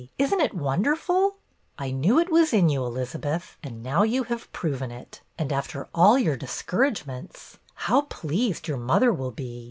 Is n't it wonderful !" I knew it was in you, Elizabeth, and now you have proven it. And after all your dis couragements! How pleased your mother will be!